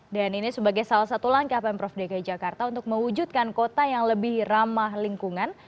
dan ini sebagai salah satu langkah pemprov dki jakarta untuk mewujudkan kota yang lebih ramah lingkungan